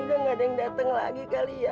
ini udah nggak ada yang dateng lagi kali ya